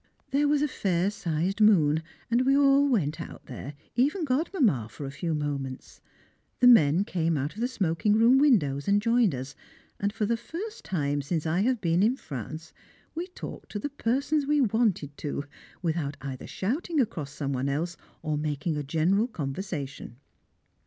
There was a fair sized moon, and we all went out there, even Godmamma for a few moments. The men came out of the smoking room windows and joined us, and for the first time since I have been in France we talked to the persons we wanted to, without either shouting across some one else or making a general conversation.